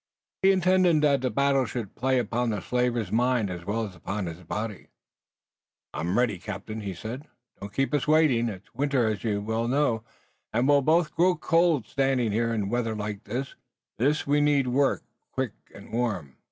He intended that the battle should play upon the slaver's mind as well as upon his body. "I'm ready, captain," he said. "Don't keep us waiting. It's winter as you well know, and we'll both grow cold standing here. In weather like this we need work quick and warm."